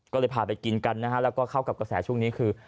ก็เลยพาไปกินกันนะฮะแล้วก็เข้ากับกระแสช่วงนี้คือ